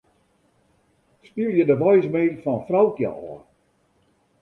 Spylje de voicemail fan Froukje ôf.